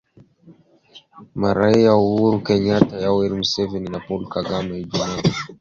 Marais Uhuru Kenyata , Yoweri Museveni , na Paul Kagame Ijumaa wamezindua ramani iliyopanuliwa ya Jumuiya ya Afrika Mashariki